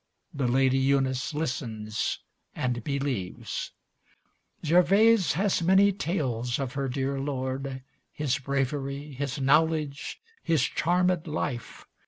The Lady Eunice listens and believes. Gervase has many tales of her dear Lord, His bravery, his knowledge, his charmed life.